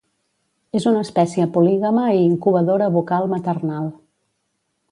És una espècie polígama i incubadora bucal maternal.